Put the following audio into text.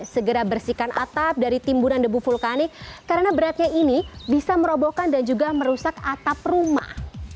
segera bersihkan atap dari timbunan debu vulkanik karena beratnya ini bisa merobohkan dan juga merusak atap rumah